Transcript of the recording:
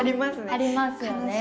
ありますよね。